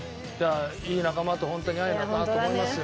いい仲間とホントに会えたなと思いますよ。